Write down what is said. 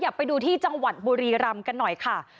ไปดูที่จังหวัดบุรีรำกันหน่อยค่ะ